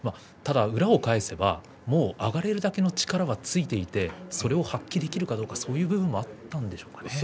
ただ裏を返せばもう上がれるだけの力はついていてそれを発揮できるかどうかそういう部分もあったんですか。